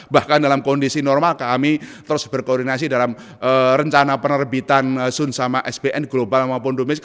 bahkan dalam kondisi normal kami terus berkoordinasi dalam rencana penerbitan sunsama sbn global maupun domes